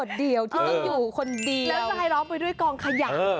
แล้วลายล้อมไปด้วยกองขยัก